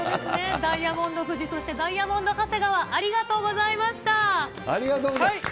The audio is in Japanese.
ダイヤモンド富士、そしてダイヤモンド長谷川、ありがとうございありがとうございます。